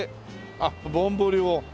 あっぼんぼりを。